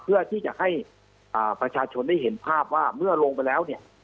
เพื่อที่จะให้ประชาชนได้เห็นภาพว่าเมื่อลงไปแล้วเนี่ย